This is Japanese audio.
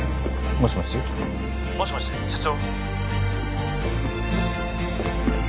☎もしもし社長？